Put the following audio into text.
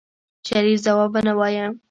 شريف ځواب ونه وايه.